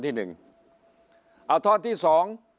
ฝ่ายชั้น